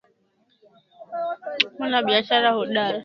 Mimi ni mwanabiashara hodari